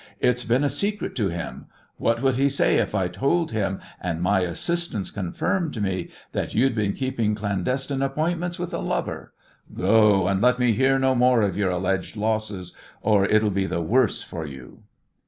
"It's been a secret to him. What would he say if I told him, and my assistants confirmed me, that you'd been keeping clandestine appointments with a lover? Go and let me hear no more of your alleged losses, or it'll be the worse for you."